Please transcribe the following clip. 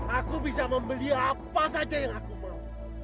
aku bisa membeli apa saja yang aku mau